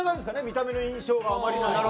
「見た目の印象があまりない」。